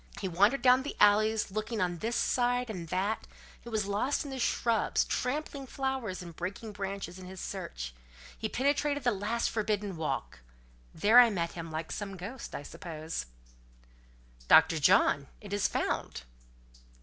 He wandered down the alleys, looking on this side and on that—he was lost in the shrubs, trampling flowers and breaking branches in his search—he penetrated at last the "forbidden walk." There I met him, like some ghost, I suppose. "Dr. John! it is found."